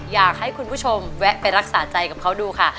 อยากให้คุณผู้ชมแวะไปรักษาใจกับเขาดูค่ะ